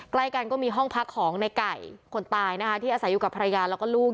ใกล้กันก็มีห้องพักของในไก่คนตายนะคะที่อาศัยอยู่กับภรรยาแล้วก็ลูก